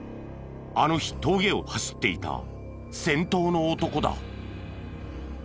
あの日峠を走っていた先頭の男だ。